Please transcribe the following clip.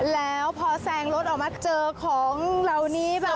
แล้วพอแซงรถออกมาเจอของเหล่านี้แบบ